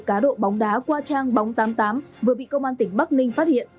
cá độ bóng đá qua trang bóng tám mươi tám vừa bị công an tỉnh bắc ninh phát hiện